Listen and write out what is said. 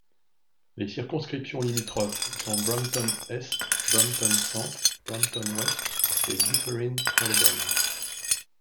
Les circonscriptions limitrophes sont Brampton-Est, Brampton-Centre, Brampton-Ouest et Dufferin—Caledon.